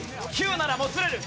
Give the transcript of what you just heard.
９ならもつれる。